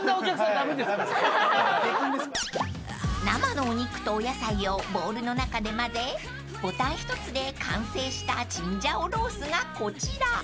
［生のお肉とお野菜をボウルの中でまぜボタン１つで完成したチンジャオロースがこちら］